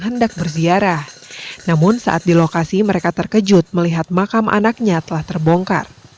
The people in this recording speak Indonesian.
hendak berziarah namun saat di lokasi mereka terkejut melihat makam anaknya telah terbongkar